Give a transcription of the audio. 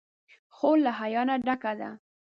خور له حیا نه ډکه ده.